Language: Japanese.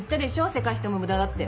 せかしても無駄だって。